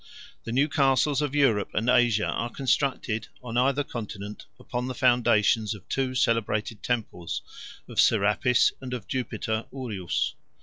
The new castles of Europe and Asia are constructed, on either continent, upon the foundations of two celebrated temples, of Serapis and of Jupiter Urius.